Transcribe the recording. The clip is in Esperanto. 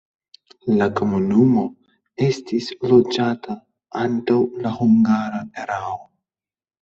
La komunumo estis loĝata antaŭ la hungara erao.